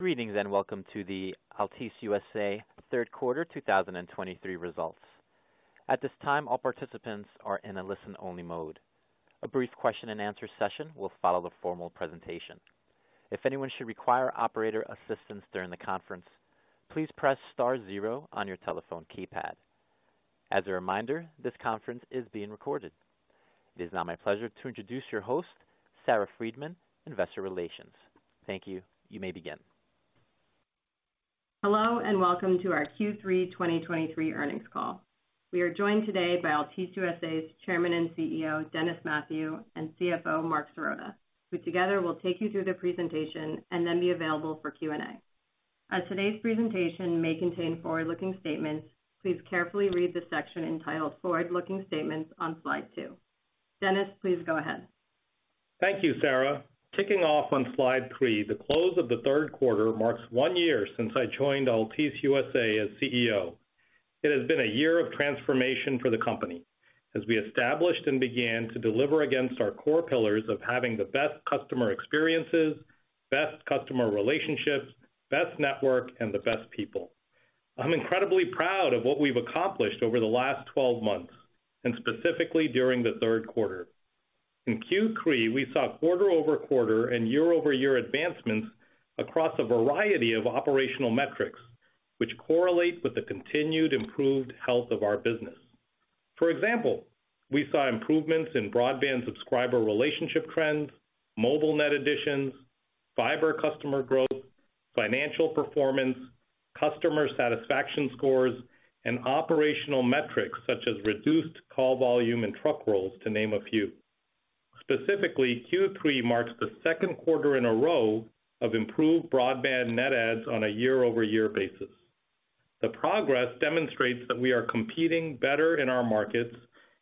Greetings, and welcome to the Altice USA Q3 2023 results. At this time, all participants are in a listen-only mode. A brief question and answer session will follow the formal presentation. If anyone should require operator assistance during the conference, please press star zero on your telephone keypad. As a reminder, this conference is being recorded. It is now my pleasure to introduce your host, Sarah Freedman, Investor Relations. Thank you. You may begin. Hello, and welcome to our Q3 2023 earnings call. We are joined today by Altice USA's Chairman and CEO, Dennis Mathew, and CFO, Marc Sirota, who together will take you through the presentation and then be available for Q&A. As today's presentation may contain forward-looking statements, please carefully read the section entitled Forward-Looking Statements on slide three. Dennis, please go ahead. Thank you, Sarah. Kicking off on slide three, the close of the Q3 marks one year since I joined Altice USA as CEO. It has been a year of transformation for the company as we established and began to deliver against our core pillars of having the best customer experiences, best customer relationships, best network, and the best people. I'm incredibly proud of what we've accomplished over the last 12 months, and specifically during the Q3. In Q3, we saw quarter-over-quarter and year-over-year advancements across a variety of operational metrics, which correlate with the continued improved health of our business. For example, we saw improvements in broadband subscriber relationship trends, mobile net additions, fiber customer growth, financial performance, customer satisfaction scores, and operational metrics such as reduced call volume and truck rolls, to name a few. Specifically, Q3 marks the Q2 in a row of improved broadband net adds on a year-over-year basis. The progress demonstrates that we are competing better in our markets,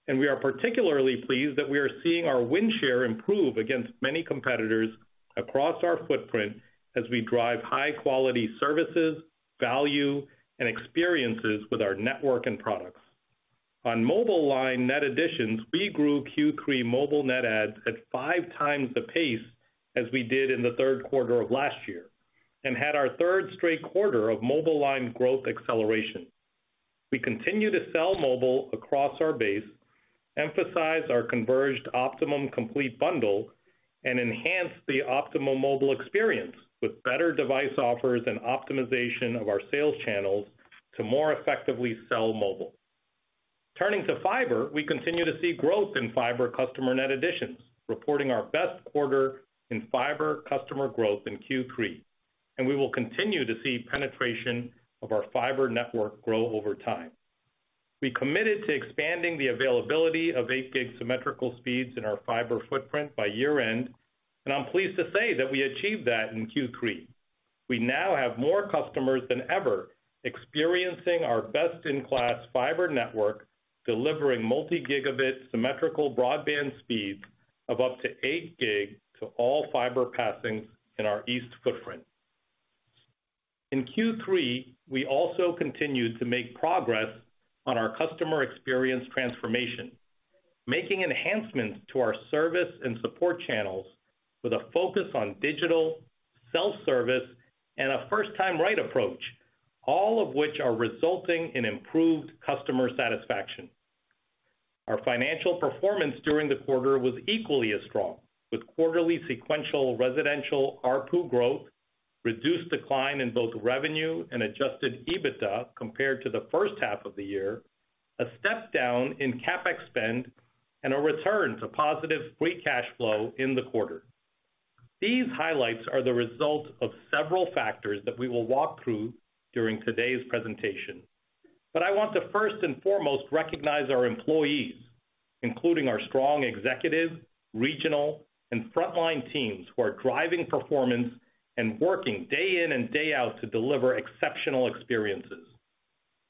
and we are particularly pleased that we are seeing our win share improve against many competitors across our footprint as we drive high-quality services, value, and experiences with our network and products. On mobile line net additions, we grew Q3 mobile net adds at 5x the pace as we did in the Q3 of last year and had our third straight quarter of mobile line growth acceleration. We continue to sell mobile across our base, emphasize our converged Optimum Complete bundle, and enhance the Optimum Mobile experience with better device offers and optimization of our sales channels to more effectively sell mobile. Turning to fiber, we continue to see growth in fiber customer net additions, reporting our best quarter in fiber customer growth in Q3, and we will continue to see penetration of our fiber network grow over time. We committed to expanding the availability of 8 Gb symmetrical speeds in our fiber footprint by year-end, and I'm pleased to say that we achieved that in Q3. We now have more customers than ever experiencing our best-in-class fiber network, delivering multi-gigabit symmetrical broadband speeds of up to 8 Gb to all fiber passings in our east footprint. In Q3, we also continued to make progress on our customer experience transformation, making enhancements to our service and support channels with a focus on digital, self-service, and a first-time right approach, all of which are resulting in improved customer satisfaction. Our financial performance during the quarter was equally as strong, with quarterly sequential residential ARPU growth, reduced decline in both revenue and adjusted EBITDA compared to the H1 of the year, a step down in CapEx spend, and a return to positive free cash flow in the quarter. These highlights are the result of several factors that we will walk through during today's presentation. But I want to first and foremost recognize our employees, including our strong executive, regional, and frontline teams who are driving performance and working day in and day out to deliver exceptional experiences.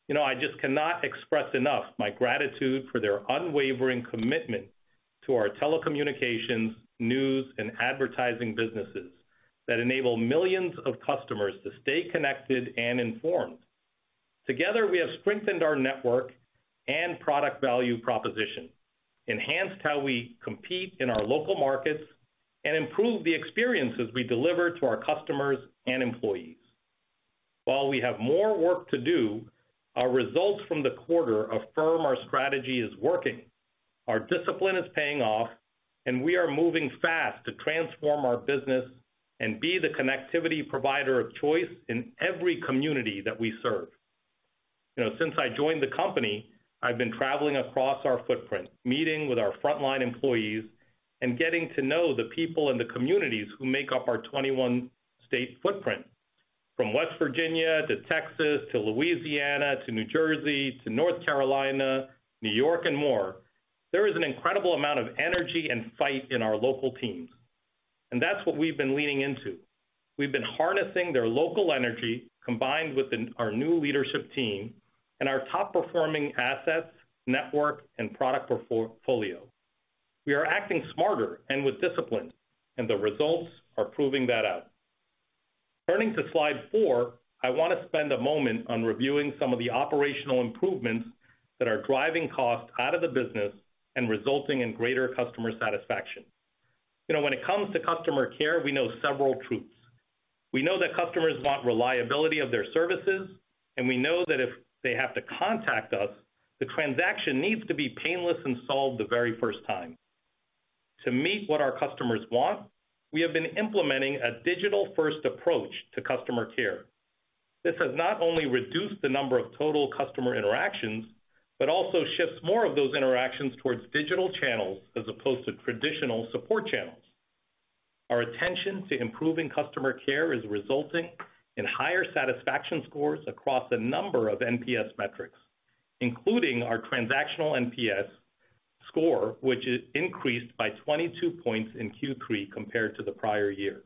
You know, I just cannot express enough my gratitude for their unwavering commitment to our telecommunications, news, and advertising businesses that enable millions of customers to stay connected and informed. Together, we have strengthened our network and product value proposition, enhanced how we compete in our local markets, and improved the experiences we deliver to our customers and employees. While we have more work to do, our results from the quarter affirm our strategy is working, our discipline is paying off, and we are moving fast to transform our business and be the connectivity provider of choice in every community that we serve. You know, since I joined the company, I've been traveling across our footprint, meeting with our frontline employees, and getting to know the people in the communities who make up our 21-state footprint. From West Virginia to Texas to Louisiana to New Jersey to North Carolina, New York, and more, there is an incredible amount of energy and fight in our local teams, and that's what we've been leaning into. We've been harnessing their local energy, combined with our new leadership team and our top-performing assets, network, and product portfolio. We are acting smarter and with discipline, and the results are proving that out. Turning to slide four, I want to spend a moment on reviewing some of the operational improvements that are driving costs out of the business and resulting in greater customer satisfaction. You know, when it comes to customer care, we know several truths. We know that customers want reliability of their services, and we know that if they have to contact us, the transaction needs to be painless and solved the very first time. To meet what our customers want, we have been implementing a digital-first approach to customer care. This has not only reduced the number of total customer interactions, but also shifts more of those interactions towards digital channels as opposed to traditional support channels. Our attention to improving customer care is resulting in higher satisfaction scores across a number of NPS metrics, including our transactional NPS score, which is increased by 22 points in Q3 compared to the prior year.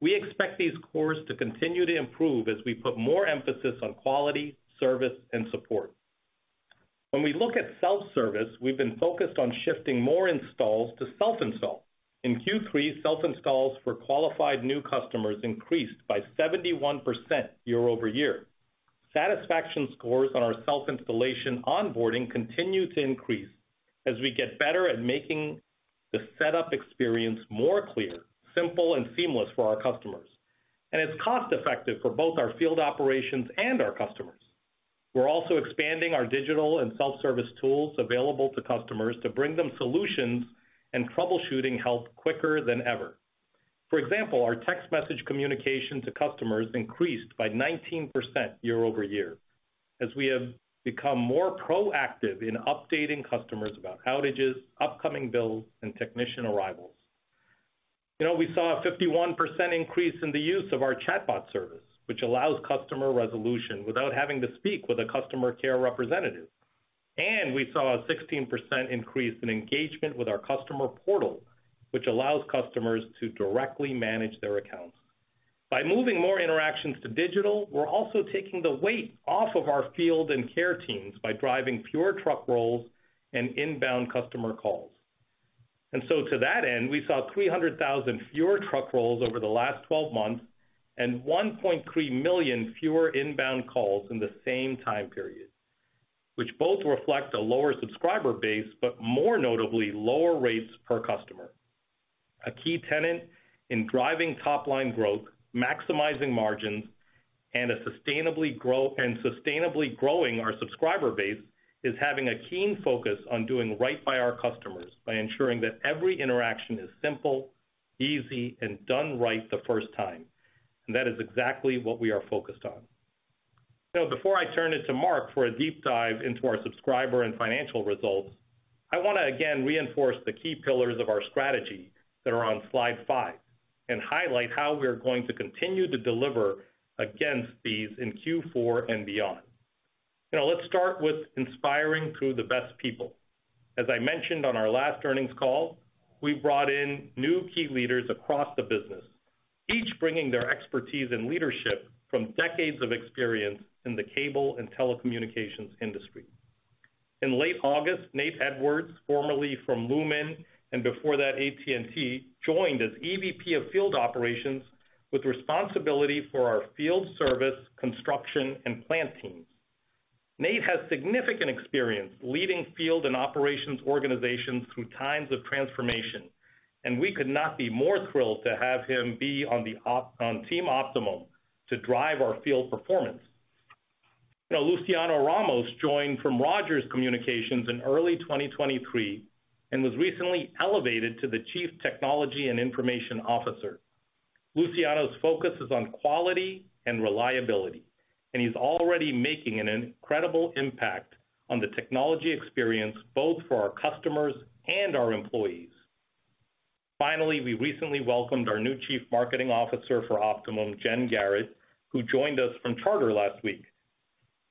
We expect these scores to continue to improve as we put more emphasis on quality, service, and support. When we look at self-service, we've been focused on shifting more installs to self-install. In Q3, self-installs for qualified new customers increased by 71% year-over-year. Satisfaction scores on our self-installation onboarding continue to increase as we get better at making the setup experience more clear, simple, and seamless for our customers. It's cost-effective for both our field operations and our customers. We're also expanding our digital and self-service tools available to customers to bring them solutions and troubleshooting help quicker than ever. For example, our text message communication to customers increased by 19% year-over-year, as we have become more proactive in updating customers about outages, upcoming bills, and technician arrivals. You know, we saw a 51% increase in the use of our chatbot service, which allows customer resolution without having to speak with a customer care representative. We saw a 16% increase in engagement with our customer portal, which allows customers to directly manage their accounts. By moving more interactions to digital, we're also taking the weight off of our field and care teams by driving fewer truck rolls and inbound customer calls. So to that end, we saw 300,000 fewer truck rolls over the last 12 months and 1.3 million fewer inbound calls in the same time period, which both reflect a lower subscriber base, but more notably, lower rates per customer. A key tenet in driving top-line growth, maximizing margins, and sustainably growing our subscriber base is having a keen focus on doing right by our customers, by ensuring that every interaction is simple, easy, and done right the first time. That is exactly what we are focused on. Before I turn it to Marc for a deep dive into our subscriber and financial results, I want to again reinforce the key pillars of our strategy that are on slide five, and highlight how we are going to continue to deliver against these in Q4 and beyond. Now, let's start with inspiring through the best people. As I mentioned on our last earnings call, we brought in new key leaders across the business, each bringing their expertise and leadership from decades of experience in the cable and telecommunications industry. In late August, Nate Edwards, formerly from Lumen and before that, AT&T, joined as EVP of Field Operations with responsibility for our field service, construction, and plant teams. Nate has significant experience leading field and operations organizations through times of transformation, and we could not be more thrilled to have him be on Team Optimum to drive our field performance. Now, Luciano Ramos joined from Rogers Communications in early 2023 and was recently elevated to the Chief Technology and Information Officer. Luciano's focus is on quality and reliability, and he's already making an incredible impact on the technology experience, both for our customers and our employees. Finally, we recently welcomed our new Chief Marketing Officer for Optimum, Jen Garrett, who joined us from Charter last week.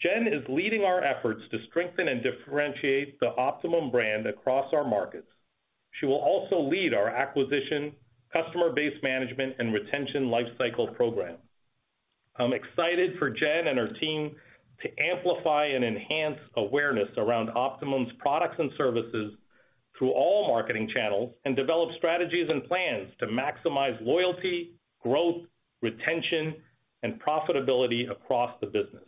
Jen is leading our efforts to strengthen and differentiate the Optimum brand across our markets. She will also lead our acquisition, customer base management, and retention lifecycle program. I'm excited for Jen and her team to amplify and enhance awareness around Optimum's products and services through all marketing channels, and develop strategies and plans to maximize loyalty, growth, retention, and profitability across the business.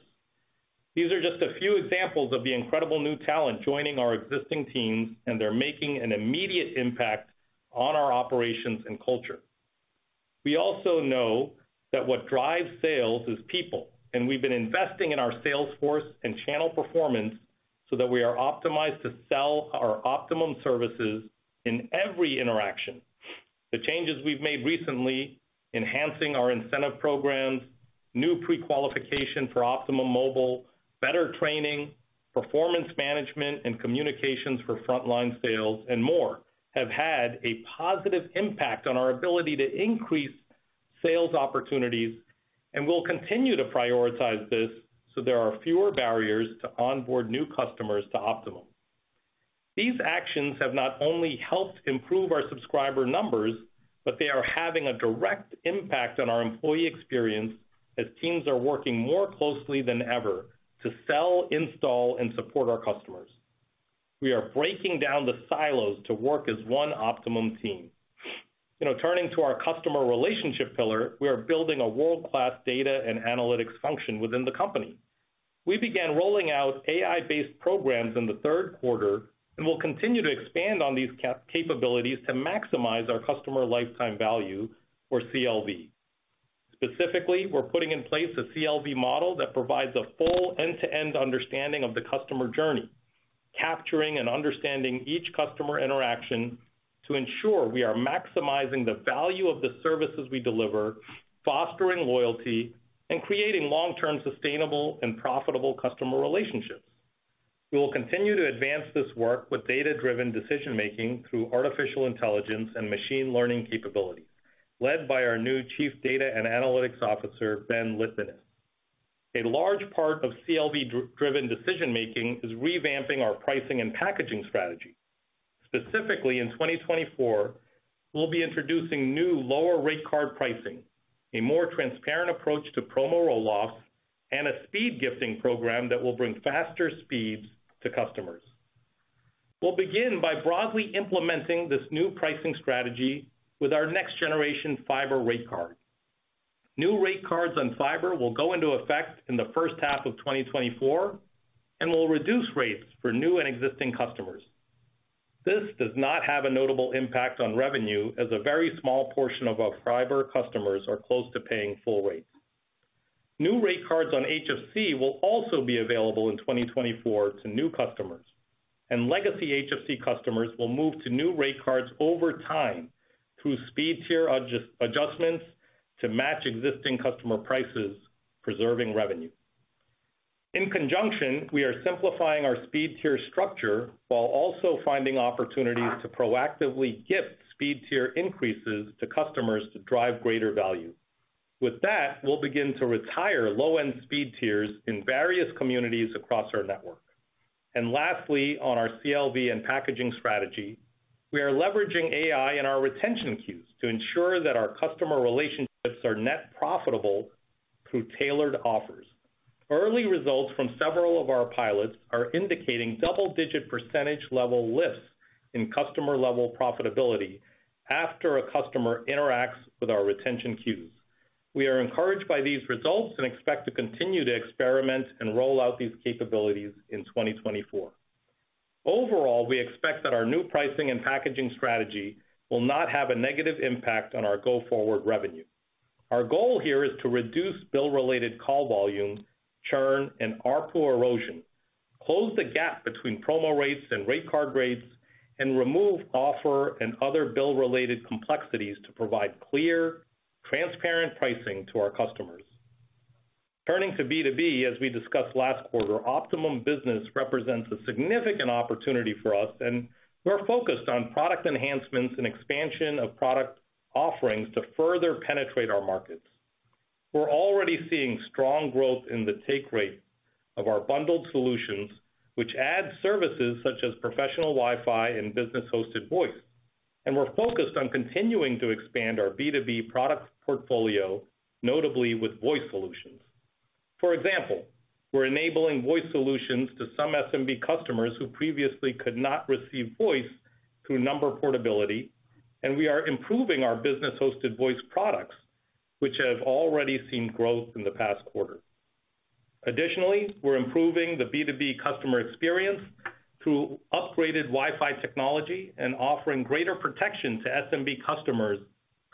These are just a few examples of the incredible new talent joining our existing teams, and they're making an immediate impact on our operations and culture. We also know that what drives sales is people, and we've been investing in our sales force and channel performance so that we are optimized to sell our Optimum services in every interaction. The changes we've made recently, enhancing our incentive programs, new pre-qualification for Optimum Mobile, better training, performance management and communications for frontline sales, and more, have had a positive impact on our ability to increase sales opportunities, and we'll continue to prioritize this so there are fewer barriers to onboard new customers to Optimum. These actions have not only helped improve our subscriber numbers, but they are having a direct impact on our employee experience as teams are working more closely than ever to sell, install, and support our customers... We are breaking down the silos to work as one Optimum team. You know, turning to our customer relationship pillar, we are building a world-class data and analytics function within the company. We began rolling out AI-based programs in the Q3 and will continue to expand on these capabilities to maximize our customer lifetime value, or CLV. Specifically, we're putting in place a CLV model that provides a full end-to-end understanding of the customer journey, capturing and understanding each customer interaction to ensure we are maximizing the value of the services we deliver, fostering loyalty, and creating long-term, sustainable, and profitable customer relationships. We will continue to advance this work with data-driven decision-making through artificial intelligence and machine learning capabilities, led by our new Chief Data and Analytics Officer, Ben Litanis. A large part of CLV-driven decision-making is revamping our pricing and packaging strategy. Specifically, in 2024, we'll be introducing new lower rate card pricing, a more transparent approach to promo roll-offs, and a speed gifting program that will bring faster speeds to customers. We'll begin by broadly implementing this new pricing strategy with our next generation fiber rate card. New rate cards on fiber will go into effect in the H1 of 2024 and will reduce rates for new and existing customers. This does not have a notable impact on revenue, as a very small portion of our fiber customers are close to paying full rates. New rate cards on HFC will also be available in 2024 to new customers, and legacy HFC customers will move to new rate cards over time through speed tier adjustments to match existing customer prices, preserving revenue. In conjunction, we are simplifying our speed tier structure while also finding opportunities to proactively gift speed tier increases to customers to drive greater value. With that, we'll begin to retire low-end speed tiers in various communities across our network. Lastly, on our CLV and packaging strategy, we are leveraging AI in our retention queues to ensure that our customer relationships are net profitable through tailored offers. Early results from several of our pilots are indicating double-digit percentage level lifts in customer-level profitability after a customer interacts with our retention queues. We are encouraged by these results and expect to continue to experiment and roll out these capabilities in 2024. Overall, we expect that our new pricing and packaging strategy will not have a negative impact on our go-forward revenue. Our goal here is to reduce bill-related call volume, churn, and ARPU erosion, close the gap between promo rates and rate card rates, and remove offer and other bill-related complexities to provide clear, transparent pricing to our customers. Turning to B2B, as we discussed last quarter, Optimum Business represents a significant opportunity for us, and we're focused on product enhancements and expansion of product offerings to further penetrate our markets. We're already seeing strong growth in the take rate of our bundled solutions, which add services such as professional Wi-Fi and business-hosted voice, and we're focused on continuing to expand our B2B product portfolio, notably with voice solutions. For example, we're enabling voice solutions to some SMB customers who previously could not receive voice through number portability, and we are improving our business-hosted voice products, which have already seen growth in the past quarter. Additionally, we're improving the B2B customer experience through upgraded Wi-Fi technology and offering greater protection to SMB customers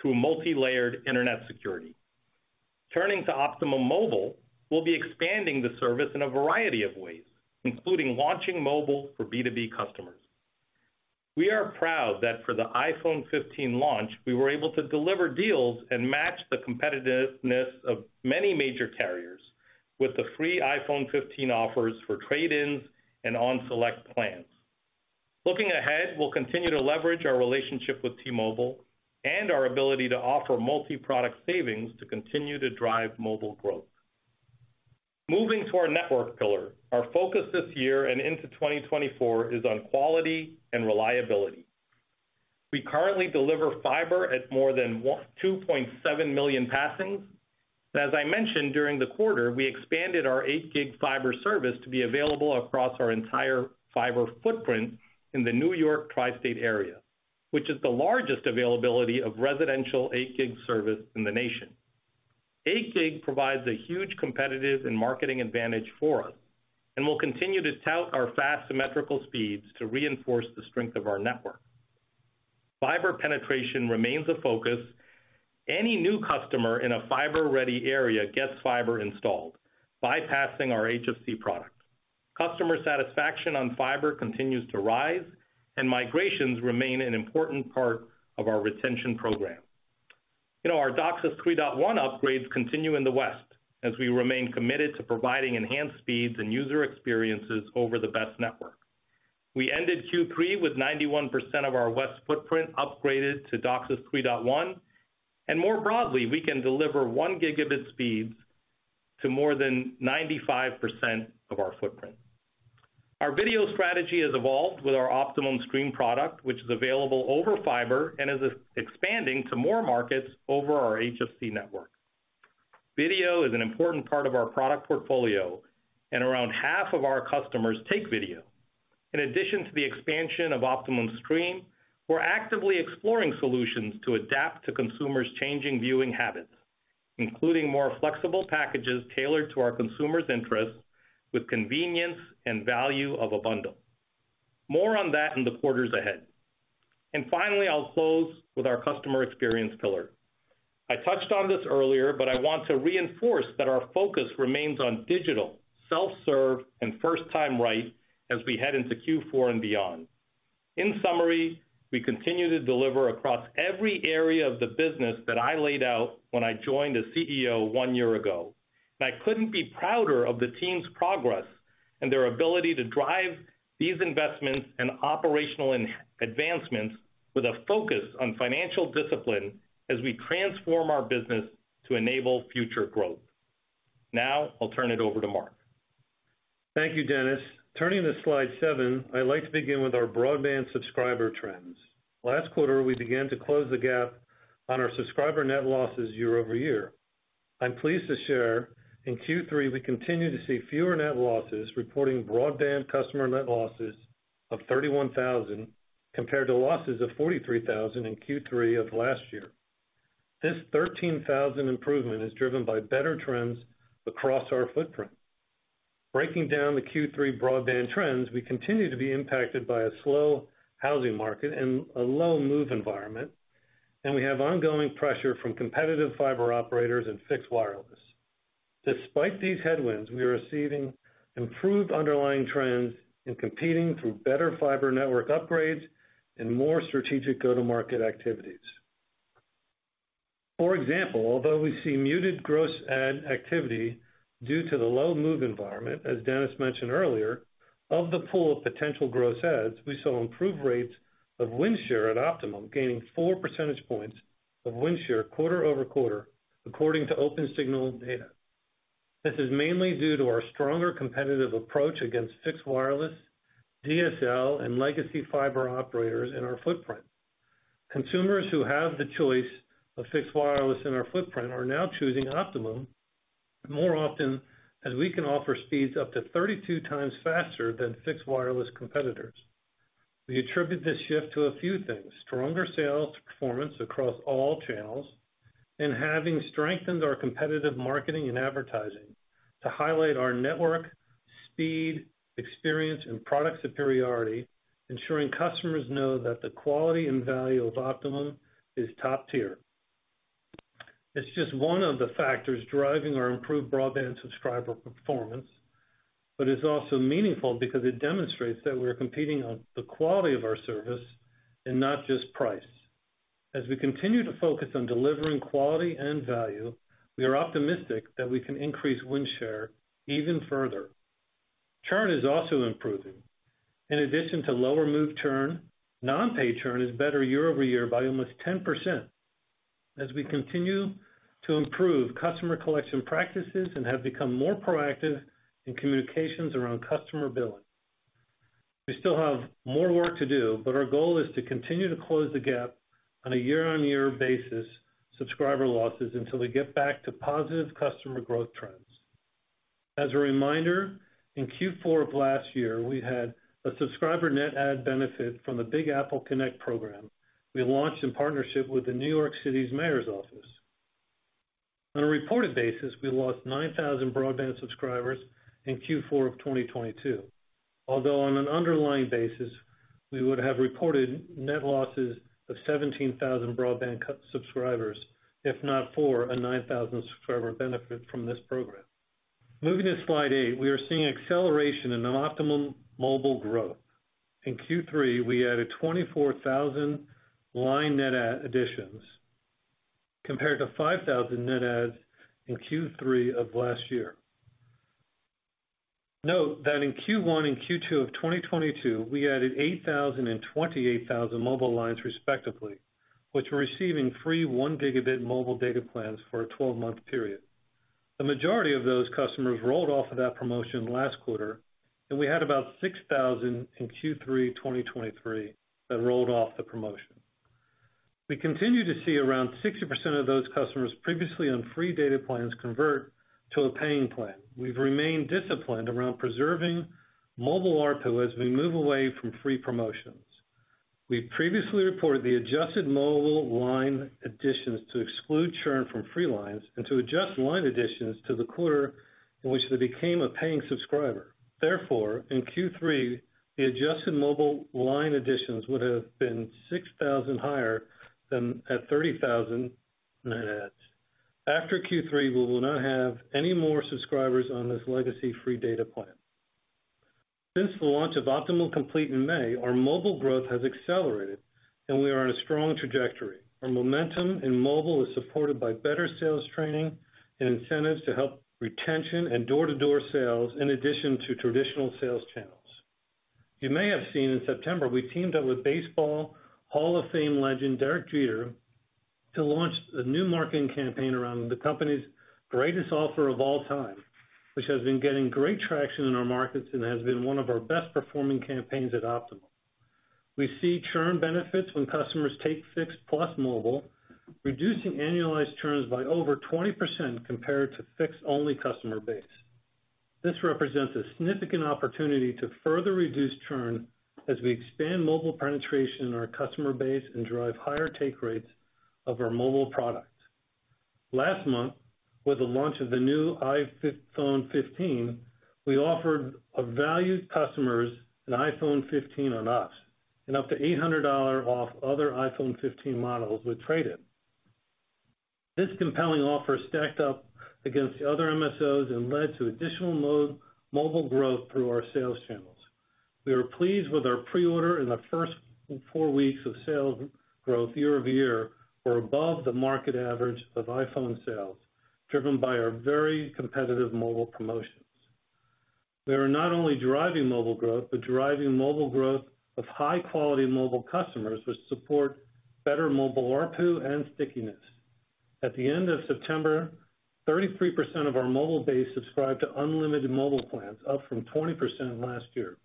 through multilayered internet security. Turning to Optimum Mobile, we'll be expanding the service in a variety of ways, including launching mobile for B2B customers. We are proud that for the iPhone 15 launch, we were able to deliver deals and match the competitiveness of many major carriers with the free iPhone 15 offers for trade-ins and on select plans. Looking ahead, we'll continue to leverage our relationship with T-Mobile and our ability to offer multi-product savings to continue to drive mobile growth. Moving to our network pillar, our focus this year and into 2024 is on quality and reliability. We currently deliver fiber at more than 2.7 million passings, and as I mentioned during the quarter, we expanded our 8 Gb fiber service to be available across our entire fiber footprint in the New York Tri-State Area, which is the largest availability of residential 8 Gb service in the nation. 8 Gb provides a huge competitive and marketing advantage for us, and we'll continue to tout our fast symmetrical speeds to reinforce the strength of our network. Fiber penetration remains a focus. Any new customer in a fiber-ready area gets fiber installed, bypassing our HFC product. Customer satisfaction on fiber continues to rise, and migrations remain an important part of our retention program. You know, our DOCSIS 3.1 upgrades continue in the West, as we remain committed to providing enhanced speeds and user experiences over the best network. We ended Q3 with 91% of our West footprint upgraded to DOCSIS 3.1, and more broadly, we can deliver 1 Gb speeds to more than 95% of our footprint. Our video strategy has evolved with our Optimum Stream product, which is available over fiber and is expanding to more markets over our HFC network. Video is an important part of our product portfolio, and around half of our customers take video. In addition to the expansion of Optimum Stream, we're actively exploring solutions to adapt to consumers' changing viewing habits, including more flexible packages tailored to our consumers' interests with convenience and value of a bundle. More on that in the quarters ahead. And finally, I'll close with our customer experience pillar. I touched on this earlier, but I want to reinforce that our focus remains on digital, self-serve, and first time right as we head into Q4 and beyond. In summary, we continue to deliver across every area of the business that I laid out when I joined as CEO one year ago. I couldn't be prouder of the team's progress and their ability to drive these investments and operational advancements with a focus on financial discipline as we transform our business to enable future growth. Now, I'll turn it over to Marc. Thank you, Dennis. Turning to slide seven, I'd like to begin with our broadband subscriber trends. Last quarter, we began to close the gap on our subscriber net losses year-over-year. I'm pleased to share in Q3, we continue to see fewer net losses, reporting broadband customer net losses of 31,000, compared to losses of 43,000 in Q3 of last year. This 13,000 improvement is driven by better trends across our footprint. Breaking down the Q3 broadband trends, we continue to be impacted by a slow housing market and a low move environment, and we have ongoing pressure from competitive fiber operators and fixed wireless. Despite these headwinds, we are receiving improved underlying trends in competing through better fiber network upgrades and more strategic go-to-market activities. For example, although we see muted gross add activity due to the low move environment, as Dennis mentioned earlier, of the pool of potential gross adds, we saw improved rates of win share at Optimum, gaining 4% points of win share quarter-over-quarter, according to OpenSignal data. This is mainly due to our stronger competitive approach against fixed wireless, DSL, and legacy fiber operators in our footprint. Consumers who have the choice of fixed wireless in our footprint are now choosing Optimum more often, as we can offer speeds up to 32x faster than fixed wireless competitors. We attribute this shift to a few things: stronger sales performance across all channels, and having strengthened our competitive marketing and advertising to highlight our network, speed, experience, and product superiority, ensuring customers know that the quality and value of Optimum is top tier. It's just one of the factors driving our improved broadband subscriber performance, but it's also meaningful because it demonstrates that we're competing on the quality of our service and not just price. As we continue to focus on delivering quality and value, we are optimistic that we can increase win share even further. Churn is also improving. In addition to lower move churn, non-pay churn is better year-over-year by almost 10%, as we continue to improve customer collection practices and have become more proactive in communications around customer billing. We still have more work to do, but our goal is to continue to close the gap on a year-on-year basis, subscriber losses, until we get back to positive customer growth trends. As a reminder, in Q4 of last year, we had a subscriber net add benefit from the Big Apple Connect program we launched in partnership with the New York City's Mayor's office. On a reported basis, we lost 9,000 broadband subscribers in Q4 of 2022, although on an underlying basis, we would have reported net losses of 17,000 broadband subscribers, if not for a 9,000 subscriber benefit from this program. Moving to slide eight, we are seeing acceleration in Optimum Mobile growth. In Q3, we added 24,000 line net add additions, compared to 5,000 net adds in Q3 of last year. Note that in Q1 and Q2 of 2022, we added 8,000 and 28,000 mobile lines, respectively, which were receiving free 1Gb mobile data plans for a 12-month period. The majority of those customers rolled off of that promotion last quarter, and we had about 6,000 in Q3 2023 that rolled off the promotion. We continue to see around 60% of those customers previously on free data plans convert to a paying plan. We've remained disciplined around preserving mobile ARPU as we move away from free promotions. We previously reported the adjusted mobile line additions to exclude churn from free lines and to adjust line additions to the quarter in which they became a paying subscriber. Therefore, in Q3, the adjusted mobile line additions would have been 6,000 higher than at 30,000 net adds. After Q3, we will not have any more subscribers on this legacy free data plan. Since the launch of Optimum Complete in May, our mobile growth has accelerated, and we are on a strong trajectory. Our momentum in mobile is supported by better sales training and incentives to help retention and door-to-door sales in addition to traditional sales channels. You may have seen in September, we teamed up with Baseball Hall of Fame legend Derek Jeter, to launch a new marketing campaign around the company's greatest offer of all time, which has been getting great traction in our markets and has been one of our best performing campaigns at Optimum. We see churn benefits when customers take fixed plus mobile, reducing annualized churns by over 20% compared to fixed-only customer base. This represents a significant opportunity to further reduce churn as we expand mobile penetration in our customer base and drive higher take rates of our mobile products. Last month, with the launch of the new iPhone 15, we offered our valued customers an iPhone 15 on us, and up to $800 off other iPhone 15 models with trade-in. This compelling offer stacked up against the other MSOs and led to additional mobile growth through our sales channels. We are pleased with our pre-order in the first 4 weeks of sales growth year-over-year, were above the market average of iPhone sales, driven by our very competitive mobile promotions. We are not only driving mobile growth, but driving mobile growth of high-quality mobile customers, which support better mobile ARPU and stickiness. At the end of September, 33% of our mobile base subscribed to unlimited mobile plans, up from 20% last year.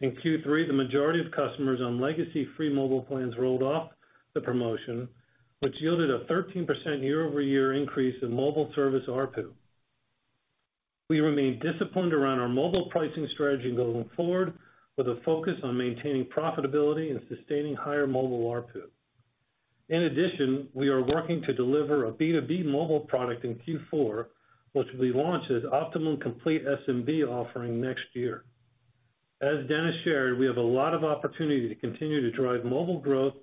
In Q3, the majority of customers on legacy free mobile plans rolled off the promotion, which yielded a 13% year-over-year increase in mobile service ARPU. We remain disciplined around our mobile pricing strategy going forward, with a focus on maintaining profitability and sustaining higher mobile ARPU. In addition, we are working to deliver a B2B mobile product in Q4, which we launch as Optimum Complete SMB offering next year. As Dennis shared, we have a lot of opportunity to continue to drive mobile growth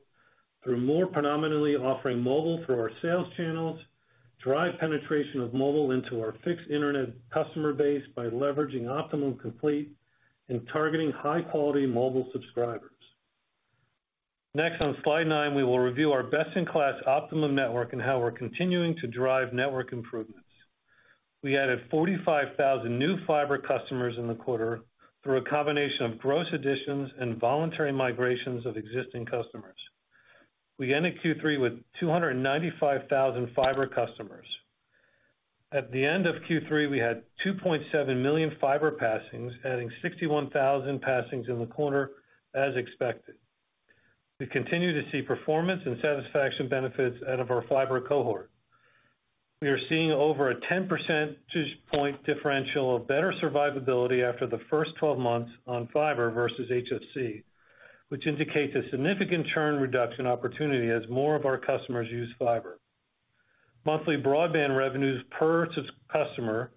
through more predominantly offering mobile through our sales channels, drive penetration of mobile into our fixed internet customer base by leveraging Optimum Complete and targeting high-quality mobile subscribers. Next, on slide nine, we will review our best-in-class Optimum network and how we're continuing to drive network improvements. We added 45,000 new fiber customers in the quarter through a combination of gross additions and voluntary migrations of existing customers. We ended Q3 with 295,000 fiber customers. At the end of Q3, we had 2.7 million fiber passings, adding 61,000 passings in the quarter as expected. We continue to see performance and satisfaction benefits out of our fiber cohort. We are seeing over a 10% point differential of better survivability after the first 12 months on fiber versus HFC, which indicates a significant churn reduction opportunity as more of our customers use fiber. Monthly broadband revenues per sub-customer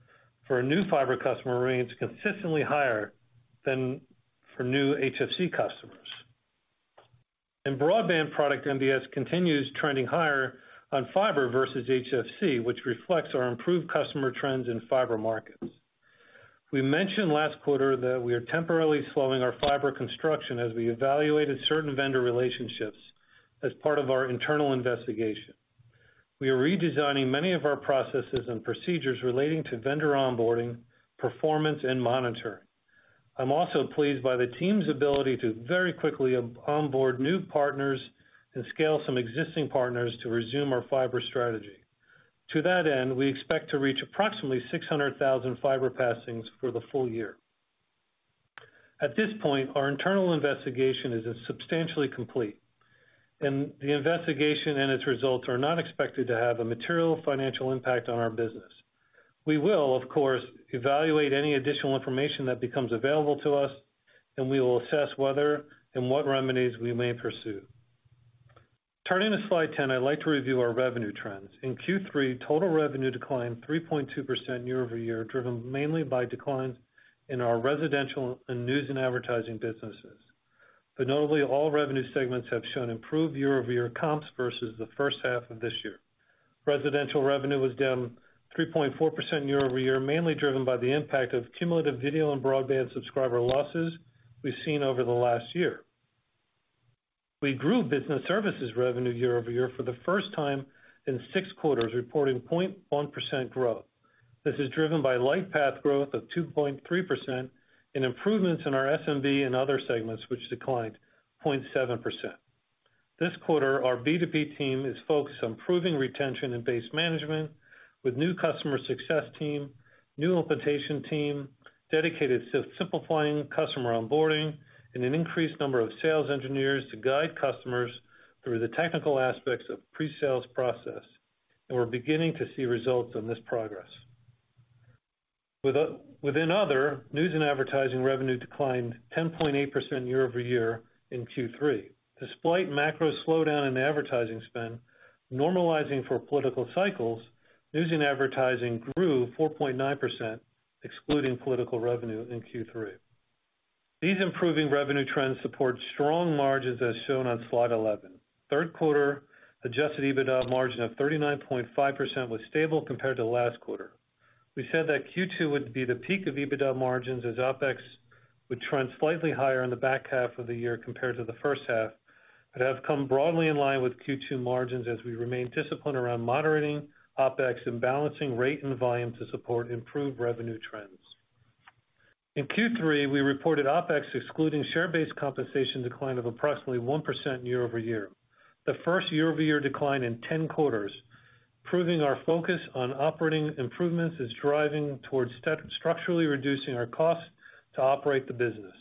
for a new fiber customer remains consistently higher than for new HFC customers. Broadband product NPS continues trending higher on fiber versus HFC, which reflects our improved customer trends in fiber markets. We mentioned last quarter that we are temporarily slowing our fiber construction as we evaluated certain vendor relationships as part of our internal investigation. We are redesigning many of our processes and procedures relating to vendor onboarding, performance, and monitoring. I'm also pleased by the team's ability to very quickly onboard new partners and scale some existing partners to resume our fiber strategy. To that end, we expect to reach approximately 600,000 fiber passings for the full year. At this point, our internal investigation is substantially complete, and the investigation and its results are not expected to have a material financial impact on our business. We will, of course, evaluate any additional information that becomes available to us, and we will assess whether and what remedies we may pursue. Turning to slide 10, I'd like to review our revenue trends. In Q3, total revenue declined 3.2% year-over-year, driven mainly by declines in our residential and news and advertising businesses. But notably, all revenue segments have shown improved year-over-year comps versus the H1 of this year. Residential revenue was down 3.4% year-over-year, mainly driven by the impact of cumulative video and broadband subscriber losses we've seen over the last year. We grew business services revenue year- over-year for the first time in six quarters, reporting 0.1% growth. This is driven by Lightpath growth of 2.3% and improvements in our SMB and other segments, which declined 0.7%. This quarter, our B2B team is focused on improving retention and base management with new customer success team, new implementation team, dedicated to simplifying customer onboarding, and an increased number of sales engineers to guide customers through the technical aspects of pre-sales process, and we're beginning to see results on this progress. Within other, news and advertising revenue declined 10.8% year-over-year in Q3. Despite macro slowdown in advertising spend, normalizing for political cycles, news and advertising grew 4.9%, excluding political revenue in Q3. These improving revenue trends support strong margins, as shown on slide 11. Q3 adjusted EBITDA margin of 39.5% was stable compared to last quarter. We said that Q2 would be the peak of EBITDA margins, as OpEx would trend slightly higher in the back half of the year compared to the H1, but have come broadly in line with Q2 margins as we remain disciplined around moderating OpEx and balancing rate and volume to support improved revenue trends. In Q3, we reported OpEx, excluding share-based compensation, decline of approximately 1% year-over-year, the first year-over-year decline in 10 quarters. Proving our focus on operating improvements is driving towards structurally reducing our costs to operate the business.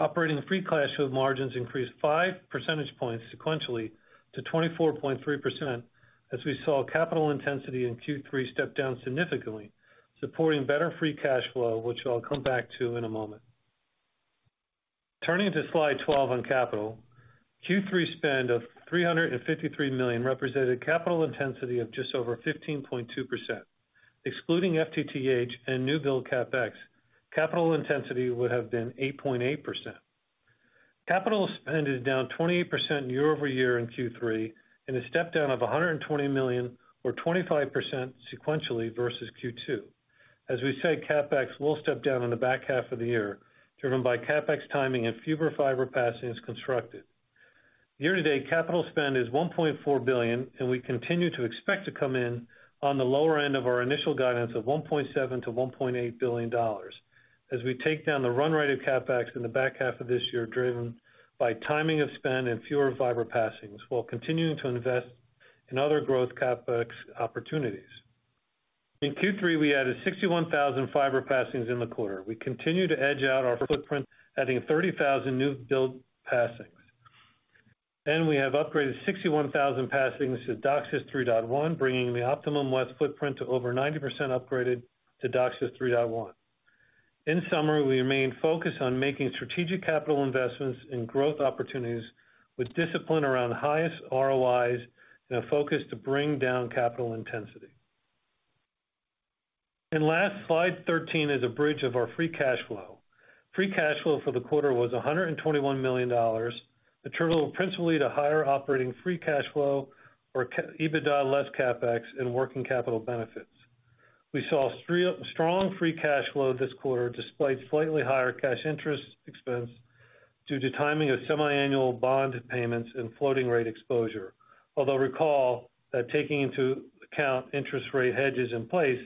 Operating free cash flow margins increased 5% points sequentially to 24.3%, as we saw capital intensity in Q3 step down significantly, supporting better free cash flow, which I'll come back to in a moment. Turning to slide 12 on capital. Q3 spend of $353 million represented capital intensity of just over 15.2%. Excluding FTTH and new build CapEx, capital intensity would have been 8.8%. Capital spend is down 28% year-over-year in Q3, and a step down of $120 million or 25% sequentially versus Q2. As we said, CapEx will step down in the back half of the year, driven by CapEx timing and fewer fiber passings constructed. Year-to-date, capital spend is $1.4 billion, and we continue to expect to come in on the lower end of our initial guidance of $1.7-$1.8 billion, as we take down the run rate of CapEx in the back half of this year, driven by timing of spend and fewer fiber passings, while continuing to invest in other growth CapEx opportunities. In Q3, we added 61,000 fiber passings in the quarter. We continue to edge out our footprint, adding 30,000 new build passings. Then we have upgraded 61,000 passings to DOCSIS 3.1, bringing the Optimum West footprint to over 90% upgraded to DOCSIS 3.1. In summary, we remain focused on making strategic capital investments in growth opportunities with discipline around the highest ROIs and a focus to bring down capital intensity. Last, slide 13 is a bridge of our free cash flow. Free cash flow for the quarter was $121 million, attributable principally to higher operating free cash flow or cash EBITDA less CapEx and working capital benefits. We saw strong free cash flow this quarter, despite slightly higher cash interest expense due to timing of semiannual bond payments and floating rate exposure. Although recall that taking into account interest rate hedges in place,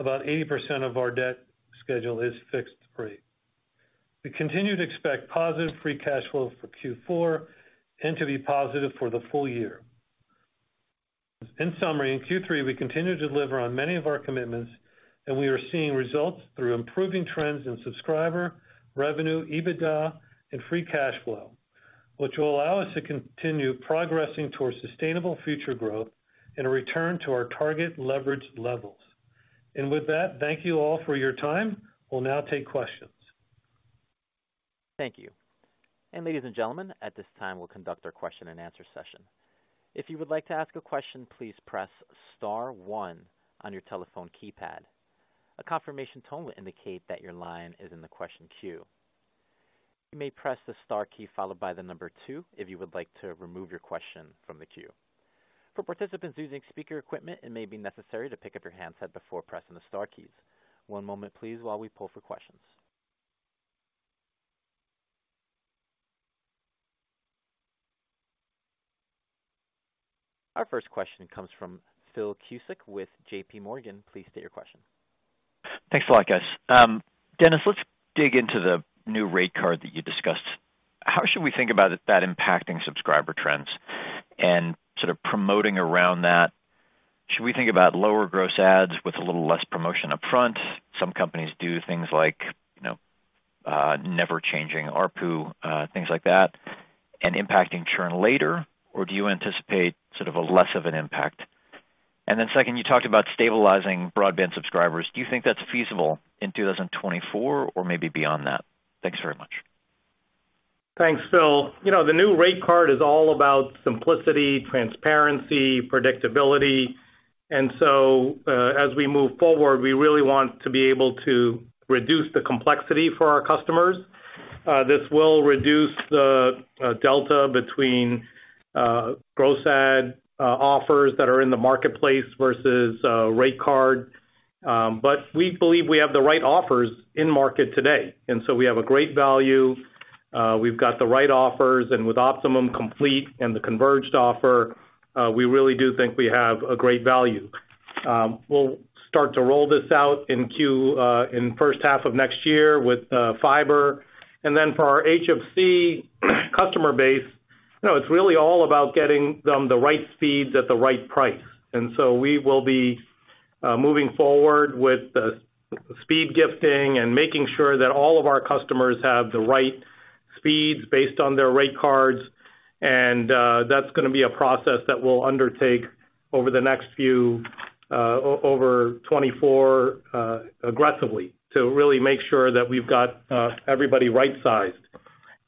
about 80% of our debt schedule is fixed rate. We continue to expect positive free cash flow for Q4 and to be positive for the full year. In summary, in Q3, we continued to deliver on many of our commitments, and we are seeing results through improving trends in subscriber, revenue, EBITDA, and free cash flow, which will allow us to continue progressing towards sustainable future growth and a return to our target leverage levels. With that, thank you all for your time. We'll now take questions. Thank you. And ladies and gentlemen, at this time, we'll conduct our question and answer session. If you would like to ask a question, please press star one on your telephone keypad. A confirmation tone will indicate that your line is in the question queue. You may press the star key followed by the number two, if you would like to remove your question from the queue. For participants using speaker equipment, it may be necessary to pick up your handset before pressing the star keys. One moment, please, while we pull for questions. Our first question comes from Phil Cusick with JPMorgan. Please state your question. Thanks a lot, guys. Dennis, let's dig into the new rate card that you discussed. How should we think about that impacting subscriber trends and sort of promoting around that? Should we think about lower gross adds with a little less promotion upfront? Some companies do things like, you know, never changing ARPU, things like that, and impacting churn later, or do you anticipate sort of a less of an impact? And then second, you talked about stabilizing broadband subscribers. Do you think that's feasible in 2024 or maybe beyond that? Thanks very much. Thanks, Phil. You know, the new rate card is all about simplicity, transparency, predictability. And so, as we move forward, we really want to be able to reduce the complexity for our customers. This will reduce the delta between gross add offers that are in the marketplace versus rate card. But we believe we have the right offers in market today, and so we have a great value. We've got the right offers, and with Optimum Complete and the converged offer, we really do think we have a great value. We'll start to roll this out in Q in H1 of next year with fiber. And then for our HFC customer base, you know, it's really all about getting them the right speeds at the right price. And so we will be moving forward with the speed gifting and making sure that all of our customers have the right speeds based on their rate cards. And that's gonna be a process that we'll undertake over the next few over 24 aggressively, to really make sure that we've got everybody right-sized.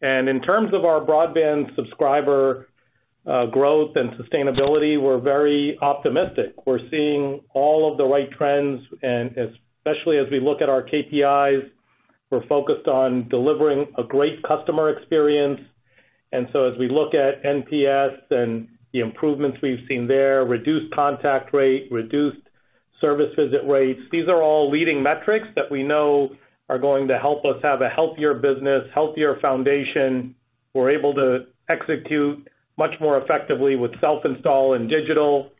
And in terms of our broadband subscriber growth and sustainability, we're very optimistic. We're seeing all of the right trends, and especially as we look at our KPIs, we're focused on delivering a great customer experience. And so as we look at NPS and the improvements we've seen there, reduced contact rate, reduced service visit rates, these are all leading metrics that we know are going to help us have a healthier business, healthier foundation. We're able to execute much more effectively with self-install and digital.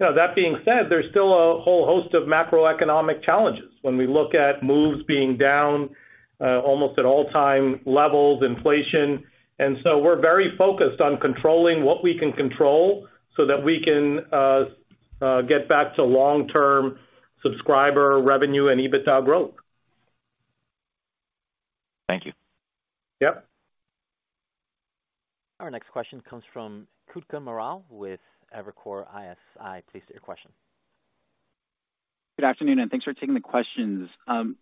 Now, that being said, there's still a whole host of macroeconomic challenges when we look at moves being down, almost at all-time levels, inflation. And so we're very focused on controlling what we can control so that we can get back to long-term subscriber revenue and EBITDA growth. Thank you. Yep. Our next question comes from Kutgun Maral with Evercore ISI. Please state your question. Good afternoon, and thanks for taking the questions.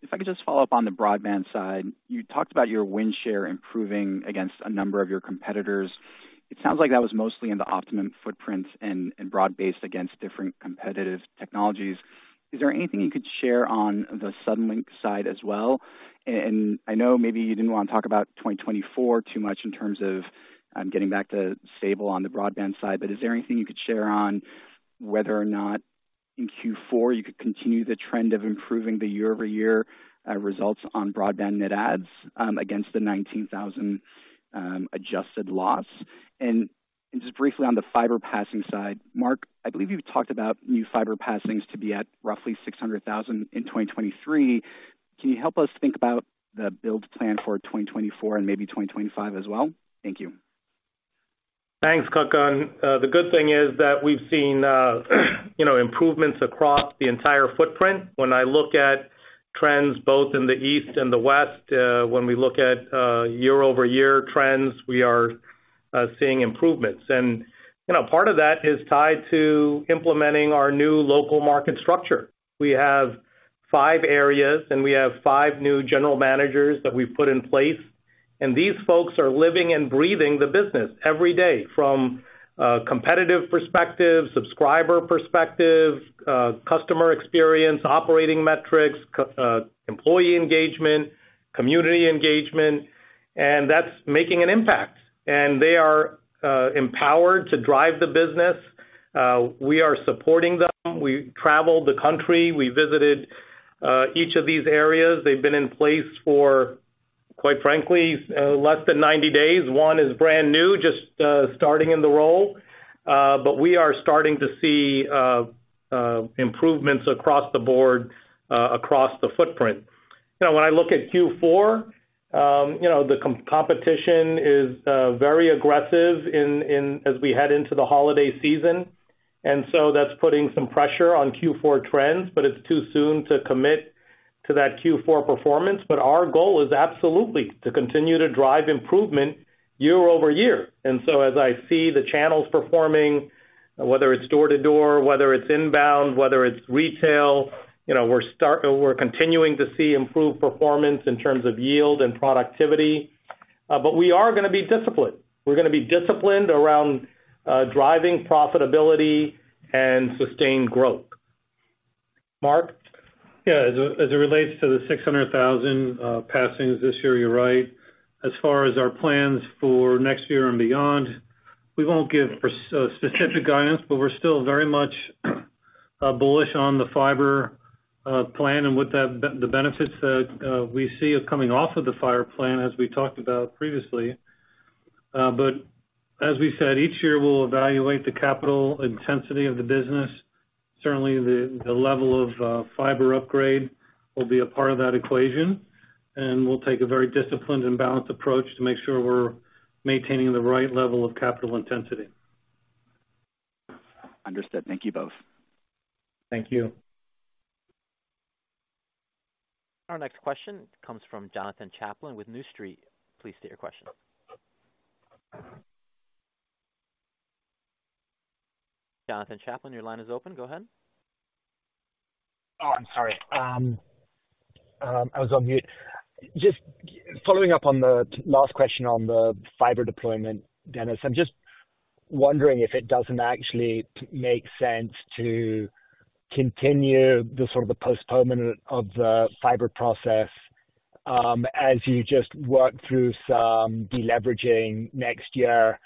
If I could just follow up on the broadband side, you talked about your win share improving against a number of your competitors. It sounds like that was mostly in the Optimum footprints and broad-based against different competitive technologies. Is there anything you could share on the Suddenlink side as well? And I know maybe you didn't want to talk about 2024 too much in terms of getting back to stable on the broadband side, but is there anything you could share on whether or not in Q4, you could continue the trend of improving the year-over-year results on broadband net adds against the 19,000 adjusted loss? And just briefly on the fiber passing side, Marc, I believe you've talked about new fiber passings to be at roughly 600,000 in 2023. Can you help us think about the build plan for 2024 and maybe 2025 as well? Thank you. Thanks, Kutgun. The good thing is that we've seen, you know, improvements across the entire footprint. When I look at trends, both in the East and the West, when we look at year-over-year trends, we are seeing improvements. And, you know, part of that is tied to implementing our new local market structure. We have five areas, and we have five new general managers that we've put in place, and these folks are living and breathing the business every day from competitive perspective, subscriber perspective, customer experience, operating metrics, employee engagement, community engagement, and that's making an impact. And they are empowered to drive the business. We are supporting them. We traveled the country. We visited each of these areas. They've been in place for, quite frankly, less than 90 days. One is brand new, just starting in the role, but we are starting to see improvements across the board, across the footprint. Now, when I look at Q4, you know, the competition is very aggressive as we head into the holiday season, and so that's putting some pressure on Q4 trends, but it's too soon to commit to that Q4 performance. But our goal is absolutely to continue to drive improvement year-over-year. And so as I see the channels performing, whether it's door to door, whether it's inbound, whether it's retail, you know, we're continuing to see improved performance in terms of yield and productivity. But we are gonna be disciplined. We're gonna be disciplined around driving profitability and sustained growth. Marc? Yeah, as it relates to the 600,000 passings this year, you're right. As far as our plans for next year and beyond, we won't give for specific guidance, but we're still very much bullish on the fiber plan and what that the benefits that we see of coming off of the fiber plan, as we talked about previously. But as we said, each year, we'll evaluate the capital intensity of the business. Certainly, the level of fiber upgrade will be a part of that equation, and we'll take a very disciplined and balanced approach to make sure we're maintaining the right level of capital intensity. Understood. Thank you both. Thank you. Our next question comes from Jonathan Chaplin with New Street. Please state your question. Jonathan Chaplin, your line is open. Go ahead. Oh, I'm sorry. I was on mute. Just following up on the last question on the fiber deployment, Dennis, I'm just wondering if it doesn't actually make sense to continue the sort of postponement of the fiber process, as you just work through some deleveraging next year,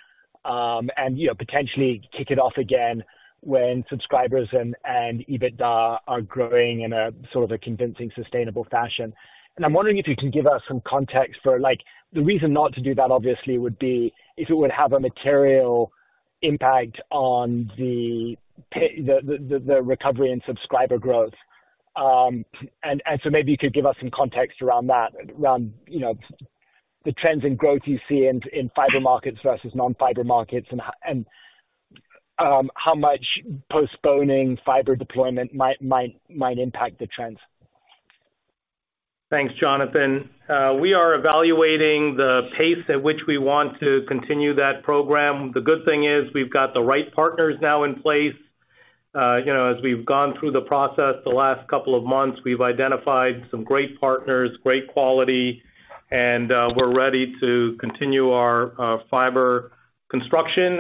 and, you know, potentially kick it off again when subscribers and EBITDA are growing in a sort of a convincing, sustainable fashion. And I'm wondering if you can give us some context for like, the reason not to do that, obviously, would be if it would have a material impact on the recovery and subscriber growth. And so maybe you could give us some context around that. Around, you know, the trends in growth you see in fiber markets versus non-fiber markets, and how much postponing fiber deployment might impact the trends. Thanks, Jonathan. We are evaluating the pace at which we want to continue that program. The good thing is we've got the right partners now in place. You know, as we've gone through the process the last couple of months, we've identified some great partners, great quality, and we're ready to continue our fiber construction.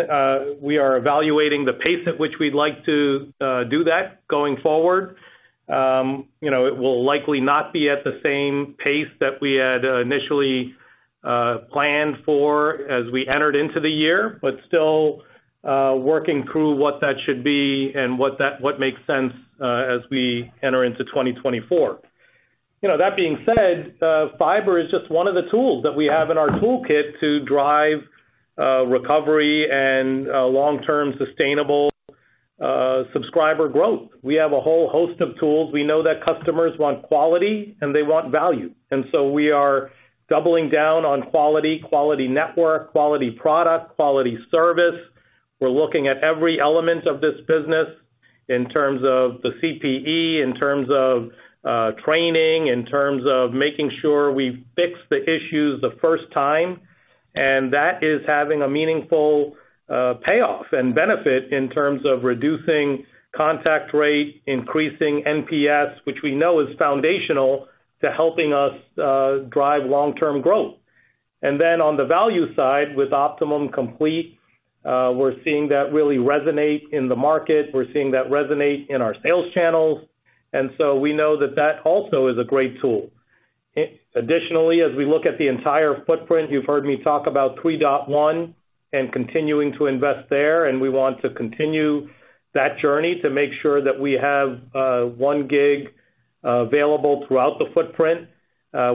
We are evaluating the pace at which we'd like to do that going forward. You know, it will likely not be at the same pace that we had initially planned for as we entered into the year, but still working through what that should be and what that-- what makes sense as we enter into 2024. You know, that being said, fiber is just one of the tools that we have in our toolkit to drive recovery and long-term sustainable subscriber growth. We have a whole host of tools. We know that customers want quality, and they want value, and so we are doubling down on quality, quality network, quality product, quality service. We're looking at every element of this business in terms of the CPE, in terms of training, in terms of making sure we fix the issues the first time, and that is having a meaningful payoff and benefit in terms of reducing contact rate, increasing NPS, which we know is foundational to helping us drive long-term growth. And then on the value side, with Optimum Complete, we're seeing that really resonate in the market. We're seeing that resonate in our sales channels, and so we know that that also is a great tool. Additionally, as we look at the entire footprint, you've heard me talk about 3.1 and continuing to invest there, and we want to continue that journey to make sure that we have 1 Gb available throughout the footprint.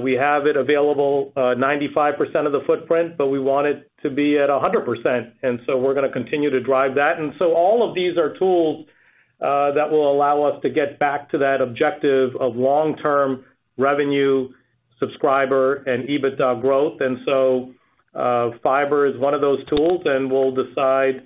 We have it available 95% of the footprint, but we want it to be at 100%, and so we're gonna continue to drive that. And so all of these are tools that will allow us to get back to that objective of long-term revenue, subscriber, and EBITDA growth. And so, fiber is one of those tools, and we'll decide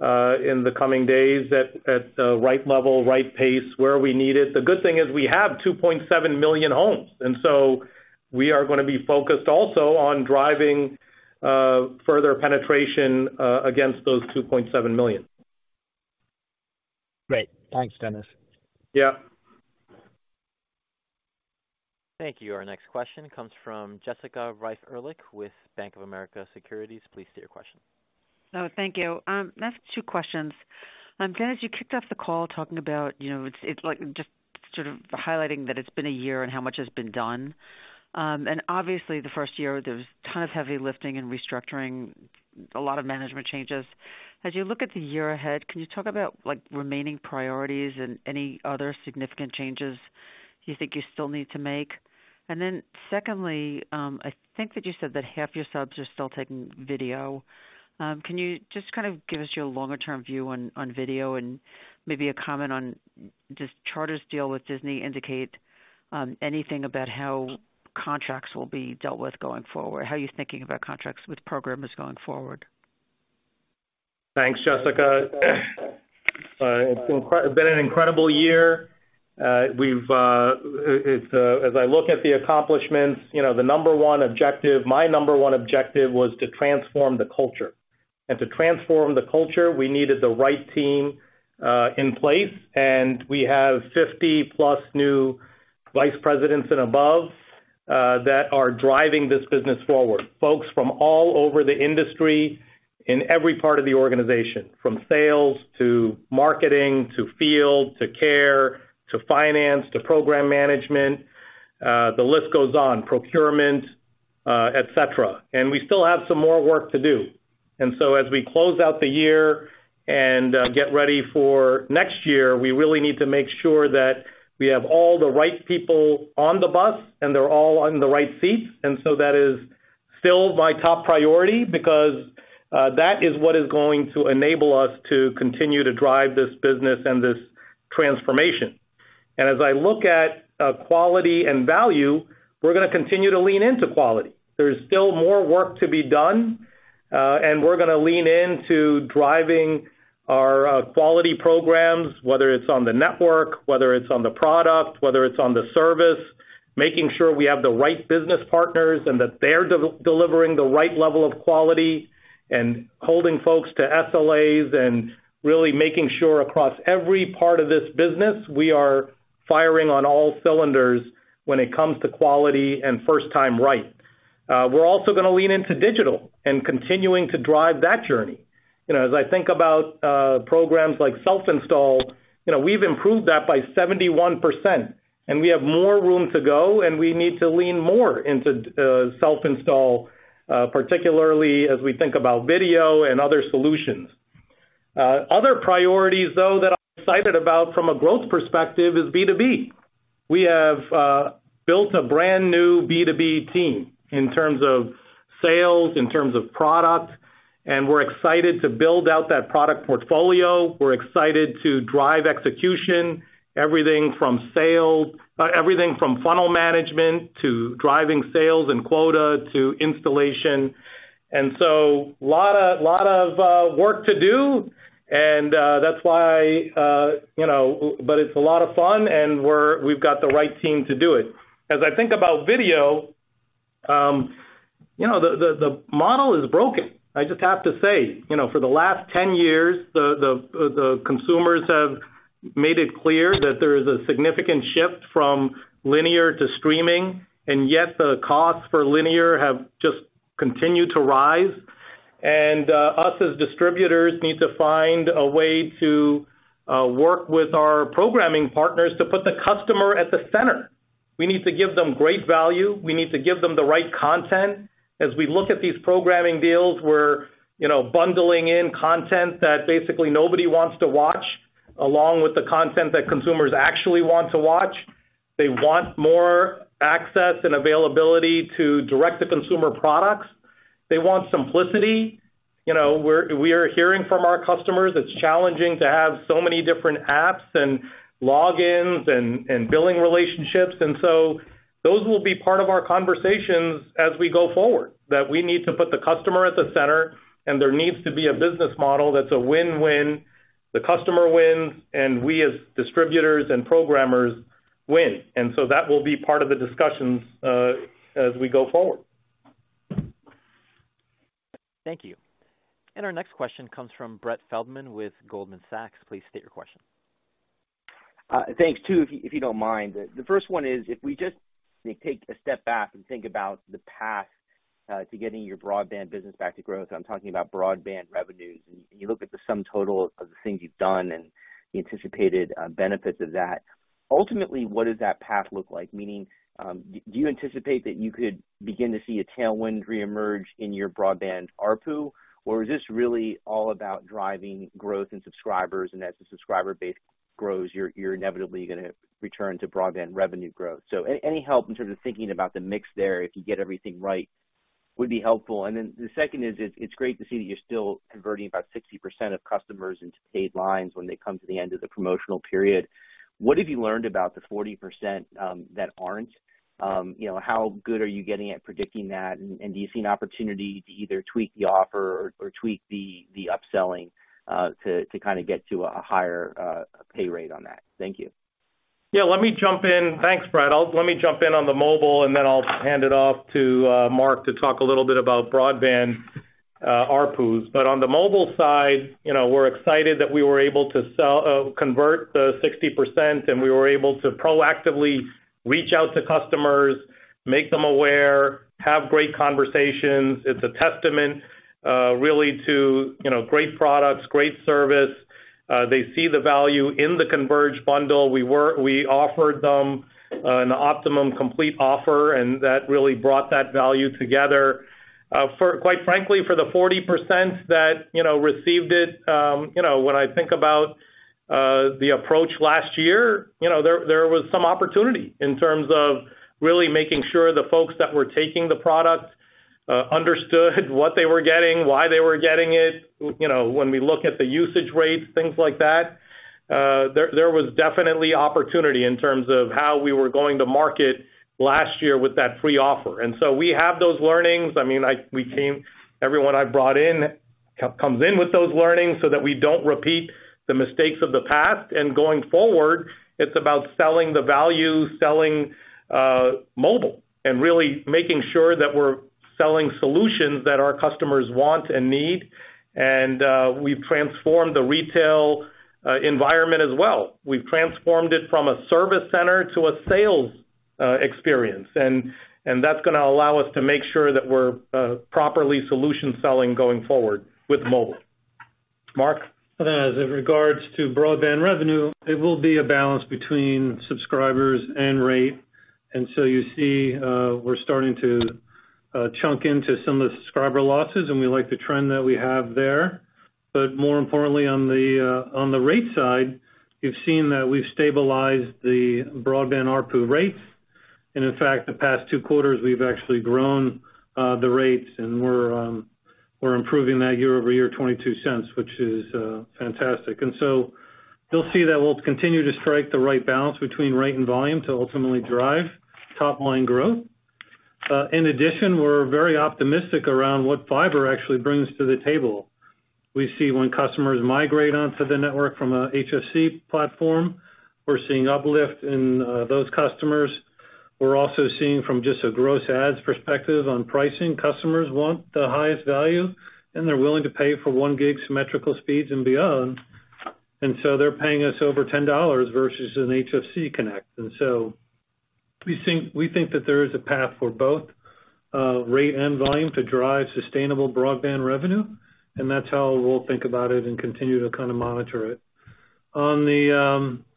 in the coming days at the right level, right pace, where we need it. The good thing is we have 2.7 million homes, and so we are gonna be focused also on driving further penetration against those 2.7 million. Great. Thanks, Dennis. Yeah. Thank you. Our next question comes from Jessica Reif Ehrlich with Bank of America Securities. Please state your question. Oh, thank you. I have two questions. Dennis, you kicked off the call talking about, you know, it's, it's like just sort of highlighting that it's been a year and how much has been done. And obviously the first year, there was a ton of heavy lifting and restructuring, a lot of management changes. As you look at the year ahead, can you talk about, like, remaining priorities and any other significant changes you think you still need to make? And then secondly, I think that you said that half your subs are still taking video. Can you just kind of give us your longer-term view on, on video and maybe a comment on, does Charter's deal with Disney indicate, anything about how contracts will be dealt with going forward? How are you thinking about contracts with programmers going forward? Thanks, Jessica. It's been an incredible year. As I look at the accomplishments, you know, the number one objective, my number one objective was to transform the culture. And to transform the culture, we needed the right team in place, and we have 50 plus new vice presidents and above that are driving this business forward. Folks from all over the industry, in every part of the organization, from sales to marketing, to field, to care, to finance, to program management, the list goes on, procurement, et cetera. And we still have some more work to do. And so as we close out the year and get ready for next year, we really need to make sure that we have all the right people on the bus, and they're all on the right seats. So that is still my top priority because that is what is going to enable us to continue to drive this business and this transformation. As I look at quality and value, we're gonna continue to lean into quality. There is still more work to be done, and we're gonna lean into driving our quality programs, whether it's on the network, whether it's on the product, whether it's on the service, making sure we have the right business partners and that they're delivering the right level of quality and holding folks to SLAs and really making sure across every part of this business, we are firing on all cylinders when it comes to quality and first time right. We're also gonna lean into digital and continuing to drive that journey. You know, as I think about, programs like self-install, you know, we've improved that by 71%, and we have more room to go, and we need to lean more into, self-install, particularly as we think about video and other solutions. Other priorities, though, that I'm excited about from a growth perspective is B2B. We have, built a brand new B2B team in terms of sales, in terms of product, and we're excited to build out that product portfolio. We're excited to drive execution, everything from sales, everything from funnel management to driving sales and quota to installation. And so a lot of, lot of, work to do, and, that's why, you know... But it's a lot of fun, and we've got the right team to do it. As I think about video, you know, the model is broken. I just have to say, you know, for the last 10 years, the consumers have made it clear that there is a significant shift from linear to streaming, and yet the costs for linear have just continued to rise. Us, as distributors, need to find a way to work with our programming partners to put the customer at the center. We need to give them great value. We need to give them the right content. As we look at these programming deals, we're, you know, bundling in content that basically nobody wants to watch, along with the content that consumers actually want to watch.... They want more access and availability to direct-to-consumer products. They want simplicity. You know, we are hearing from our customers. It's challenging to have so many different apps and logins and billing relationships. And so those will be part of our conversations as we go forward, that we need to put the customer at the center, and there needs to be a business model that's a win-win. The customer wins, and we, as distributors and programmers, win. And so that will be part of the discussions as we go forward. Thank you. Our next question comes from Brett Feldman with Goldman Sachs. Please state your question. Thanks to, if you don't mind. The first one is, if we just take a step back and think about the path to getting your broadband business back to growth. I'm talking about broadband revenues, and you look at the sum total of the things you've done and the anticipated benefits of that. Ultimately, what does that path look like? Meaning, do you anticipate that you could begin to see a tailwind reemerge in your broadband ARPU? Or is this really all about driving growth in subscribers, and as the subscriber base grows, you're inevitably gonna return to broadband revenue growth? So any help in terms of thinking about the mix there, if you get everything right, would be helpful. Then the second is, it's great to see that you're still converting about 60% of customers into paid lines when they come to the end of the promotional period. What have you learned about the 40% that aren't? You know, how good are you getting at predicting that? And do you see an opportunity to either tweak the offer or tweak the upselling to kinda get to a higher pay rate on that? Thank you. Yeah, let me jump in. Thanks, Brett. Let me jump in on the mobile, and then I'll hand it off to Marc to talk a little bit about broadband ARPUs. But on the mobile side, you know, we're excited that we were able to convert the 60%, and we were able to proactively reach out to customers, make them aware, have great conversations. It's a testament really to, you know, great products, great service. They see the value in the converged bundle. We offered them an Optimum Complete offer, and that really brought that value together. Quite frankly, for the 40% that, you know, received it, you know, when I think about the approach last year, you know, there was some opportunity in terms of really making sure the folks that were taking the product understood what they were getting, why they were getting it. You know, when we look at the usage rates, things like that, there was definitely opportunity in terms of how we were going to market last year with that free offer. And so we have those learnings. I mean, everyone I've brought in comes in with those learnings so that we don't repeat the mistakes of the past. And going forward, it's about selling the value, selling mobile, and really making sure that we're selling solutions that our customers want and need. We've transformed the retail environment as well. We've transformed it from a service center to a sales experience, and that's gonna allow us to make sure that we're properly solution selling going forward with mobile. Marc? As in regards to broadband revenue, it will be a balance between subscribers and rate. So you see, we're starting to chunk into some of the subscriber losses, and we like the trend that we have there. But more importantly, on the rate side, you've seen that we've stabilized the broadband ARPU rates. And in fact, the past two quarters, we've actually grown the rates, and we're improving that year-over-year $0.22, which is fantastic. So you'll see that we'll continue to strike the right balance between rate and volume to ultimately drive top-line growth. In addition, we're very optimistic around what fiber actually brings to the table. We see when customers migrate onto the network from an HFC platform, we're seeing uplift in those customers. We're also seeing from just a gross adds perspective on pricing, customers want the highest value, and they're willing to pay for 1 Gb symmetrical speeds and beyond. And so they're paying us over $10 versus an HFC connect. And so we think, we think that there is a path for both, rate and volume to drive sustainable broadband revenue, and that's how we'll think about it and continue to kinda monitor it. On the,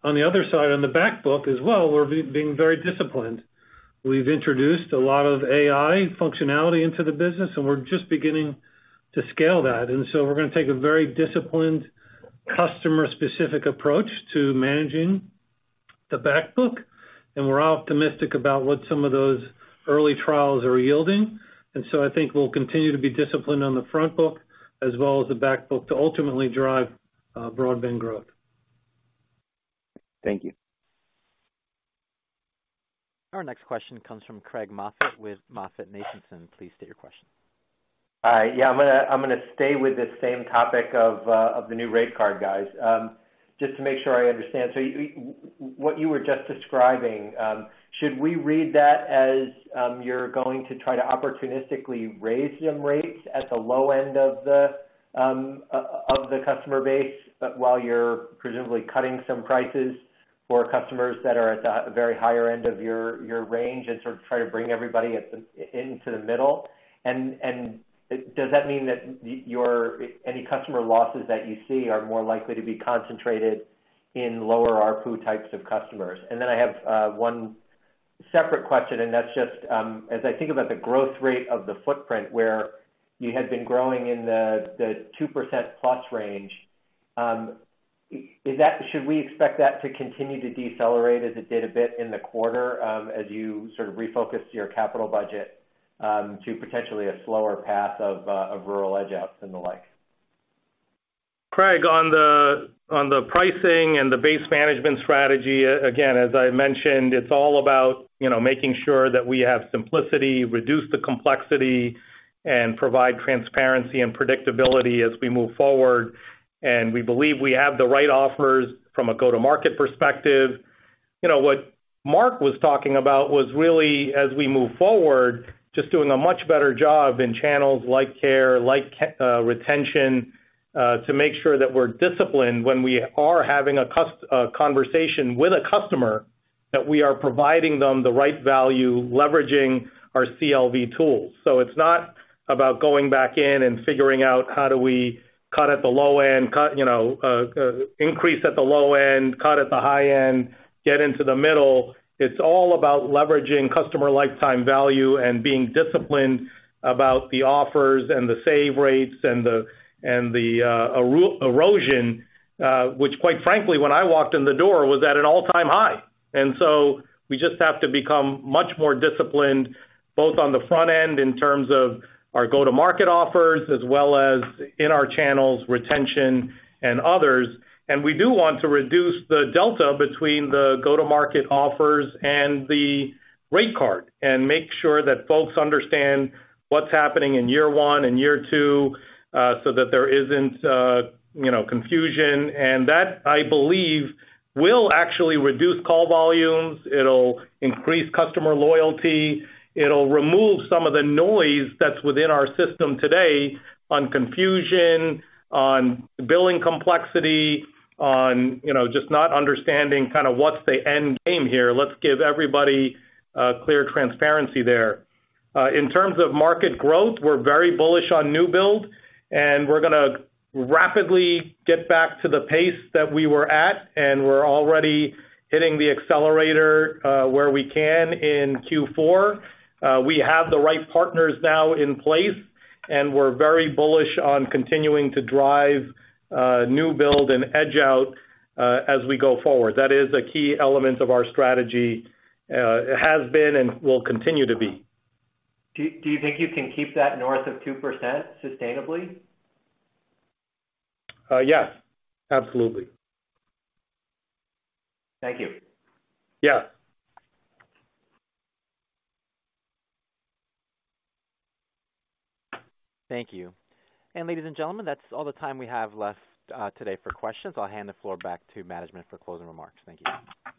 on the other side, on the back book as well, we're being very disciplined. We've introduced a lot of AI functionality into the business, and we're just beginning to scale that. And so we're gonna take a very disciplined, customer-specific approach to managing the back book, and we're optimistic about what some of those early trials are yielding. And so I think we'll continue to be disciplined on the front book as well as the back book to ultimately drive broadband growth. Thank you. Our next question comes from Craig Moffett with MoffettNathanson. Please state your question. Yeah, I'm gonna, I'm gonna stay with this same topic of the new rate card, guys. Just to make sure I understand, so what you were just describing, should we read that as you're going to try to opportunistically raise some rates at the low end of the customer base, but while you're presumably cutting some prices for customers that are at the very higher end of your range and sort of try to bring everybody into the middle? And does that mean that any customer losses that you see are more likely to be concentrated in lower ARPU types of customers? And then I have one-... Separate question, and that's just, as I think about the growth rate of the footprint where you had been growing in the 2%+ range, is that should we expect that to continue to decelerate as it did a bit in the quarter, as you sort of refocus your capital budget, to potentially a slower path of rural edge out and the like? Craig, on the pricing and the base management strategy, again, as I mentioned, it's all about, you know, making sure that we have simplicity, reduce the complexity, and provide transparency and predictability as we move forward, and we believe we have the right offers from a go-to-market perspective. You know, what Marc was talking about was really, as we move forward, just doing a much better job in channels like care, like retention, to make sure that we're disciplined when we are having a conversation with a customer, that we are providing them the right value, leveraging our CLV tools. So it's not about going back in and figuring out how do we cut at the low end, cut, you know, increase at the low end, cut at the high end, get into the middle. It's all about leveraging customer lifetime value and being disciplined about the offers and the save rates and the erosion, which quite frankly, when I walked in the door, was at an all-time high. And so we just have to become much more disciplined, both on the front end in terms of our go-to-market offers, as well as in our channels, retention and others. And we do want to reduce the delta between the go-to-market offers and the rate card, and make sure that folks understand what's happening in year one and year two, so that there isn't, you know, confusion. And that, I believe, will actually reduce call volumes, it'll increase customer loyalty, it'll remove some of the noise that's within our system today on confusion, on billing complexity, you know, just not understanding kind of what's the end game here. Let's give everybody clear transparency there. In terms of market growth, we're very bullish on new build, and we're gonna rapidly get back to the pace that we were at, and we're already hitting the accelerator where we can in Q4. We have the right partners now in place, and we're very bullish on continuing to drive new build and edge out as we go forward. That is a key element of our strategy. It has been and will continue to be. Do you think you can keep that north of 2% sustainably? Yes, absolutely. Thank you. Yeah. Thank you. Ladies and gentlemen, that's all the time we have left, today for questions. I'll hand the floor back to management for closing remarks. Thank you.